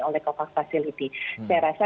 oleh kompas fasiliti saya rasa